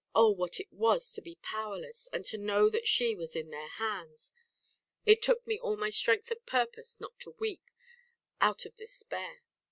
Oh! what it was to be powerless, and to know that she was in their hands. It took me all my strength of purpose not to weep, out of very despair.